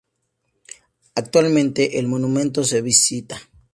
Actualmente, el monumento se visita.